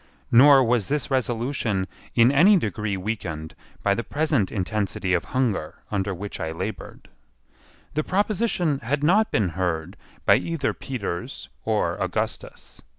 Nor was this resolution in any degree weakened by the present intensity of hunger under which I laboured. The proposition had not been heard by either Peters or Augustus.